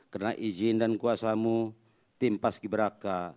karena izin dan kuasamu tim pas ki braka